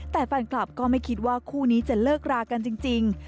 แต่แฟนคลับก็ไม่คิดว่าคู่นี้จะเลิกรากันจริง